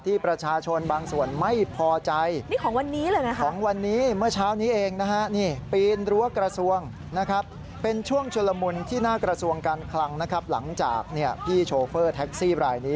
ประชาชนบางส่วนไม่พอใจ